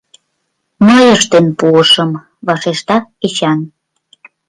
— Мый ыштен пуышым, — вашешта Эчан.